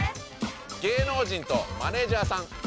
「芸能人」と「マネージャーさん」。